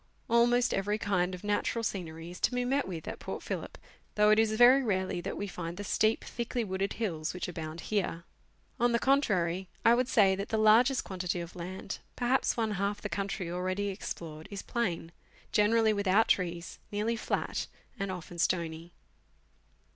Almost every kind of natural scenery is to be met with at Port Phillip, though it is very rarely that we find the steep, thickly wooded hills which abound here. On the contrary, I should say that the largest quantity of land perhaps one half the country already explored is plain, generally without trees, nearly flat and often stony.